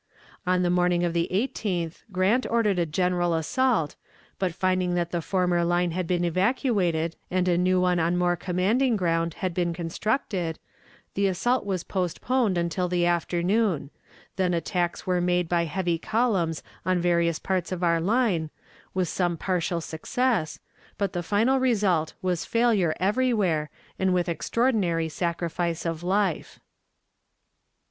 On the morning of the 18th Grant ordered a general assault, but finding that the former line had been evacuated, and a new one on more commanding ground had been constructed, the assault was postponed until the afternoon; then attacks were made by heavy columns on various parts of our line, with some partial success, but the final result was failure everywhere, and with extraordinary sacrifice of life.